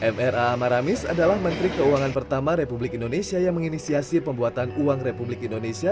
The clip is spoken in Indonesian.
mra maramis adalah menteri keuangan pertama republik indonesia yang menginisiasi pembuatan uang republik indonesia